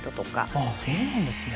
あっそうなんですね。